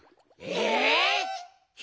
え。